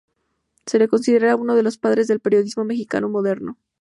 Se le considera uno de los padres del periodismo mexicano moderno.